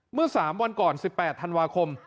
เมื่อ๓วันก่อน๑๘ธันวาคม